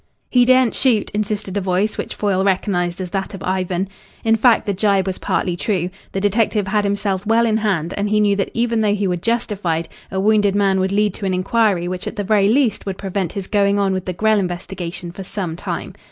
"He daren't shoot," insisted a voice which Foyle recognised as that of Ivan. In fact, the gibe was partly true. The detective had himself well in hand, and he knew that even though he were justified, a wounded man would lead to an inquiry which at the very least would prevent his going on with the Grell investigation for some time.